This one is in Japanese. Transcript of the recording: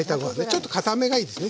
ちょっとかためがいいですね。